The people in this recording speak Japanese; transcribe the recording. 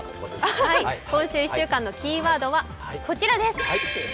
今週１週間のキーワードはこちらです。